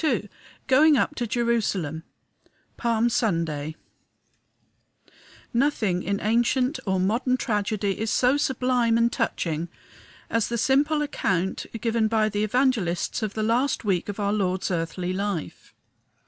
XXII GOING UP TO JERUSALEM Palm Sunday Nothing in ancient or modern tragedy is so sublime and touching as the simple account given by the Evangelists of the last week of our Lord's earthly life.